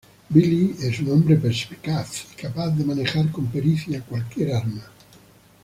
Billy es un hombre perspicaz y capaz de manejar con pericia cualquier arma.